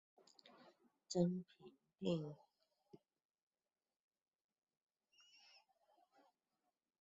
曾平定宕昌羌之乱。